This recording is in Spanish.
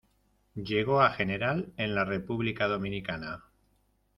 llegó a general en la República Dominicana.